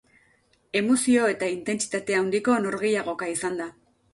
Emozio eta intentsitate handiko norgehiagoka izan da.